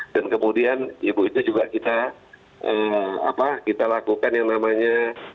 dan kemudian ibu itu juga kita apa kita lakukan yang namanya